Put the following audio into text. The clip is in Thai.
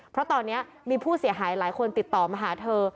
เพราะตอนนี้มีผู้เสียหายหลายคนติดต่อมาหาเธอ